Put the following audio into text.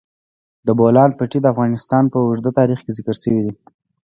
د بولان پټي د افغانستان په اوږده تاریخ کې ذکر شوی دی.